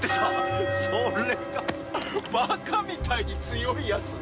それがバカみたいに強いやつで。